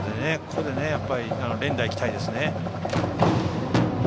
ここで連打、いきたいですね。